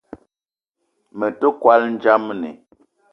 Me te kwal ndjamni